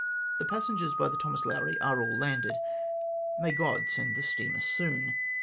" The passengers by the Thomas Lowry are all landed. May God send the steamer soon.